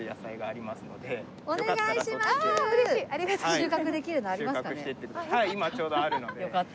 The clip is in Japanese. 収穫できるのありますかね？